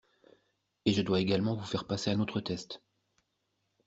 Et je dois également vous faire passer un autre test